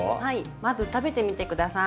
まず食べてみて下さい。